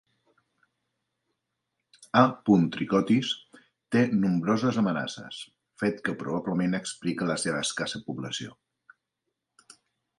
"A. trichotis" té nombroses amenaces, fet que probablement explica la seva escassa població.